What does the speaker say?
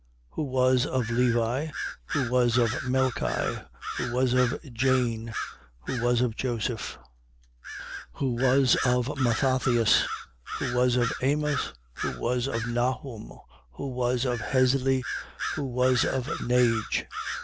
Who was of Levi, who was of Melchi. who was of Janne, who was of Joseph, 3:25. Who was of Mathathias, who was of Amos, who was of Nahum, who was of Hesli, who was of Nagge, 3:26.